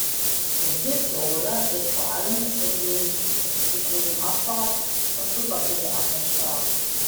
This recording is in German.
Der Südtiroler geht vor allem in den Disziplinen Abfahrt und Super-G an den Start.